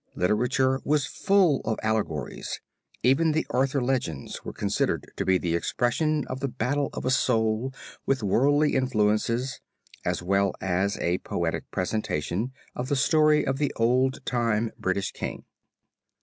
Literature was full of allegories, even the Arthur Legends were considered to be the expression of the battle of a soul with worldly influences as well as a poetic presentation of the story of the old time British King.